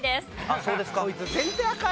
あっそうですか。